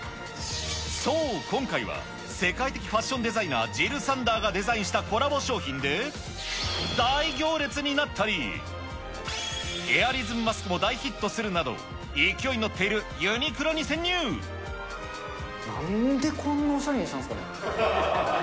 そう、今回は、世界的ファッションデザイナー、ジル・サンダーがデザインしたコラボ商品で、大行列になったり、エアリズムマスクも大ヒットするなど、なんでこんなおしゃれにしたんですかね。